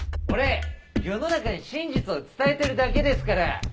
俺世の中に真実を伝えてるだけですから。